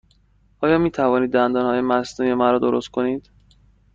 آیا می توانید دندانهای مصنوعی مرا درست کنید؟